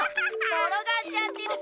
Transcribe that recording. ころがっちゃってるじゃない。